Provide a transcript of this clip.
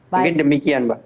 mungkin demikian mbak